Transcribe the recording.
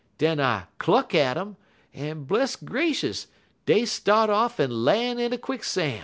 Den I cluck at um, en, bless gracious, dey start off en lan' in a quicksan'.